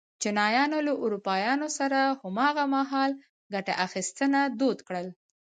چینایانو له اروپایانو سره هماغه مهال ګته اخیستنه دود کړل.